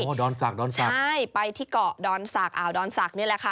อำเภอดอนสักใช่ไปที่เกาะดอนสักอาวดอนสักนี่แหละค่ะ